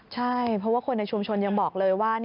ใช่เพราะว่าคนในชุมชนยังบอกเลยว่า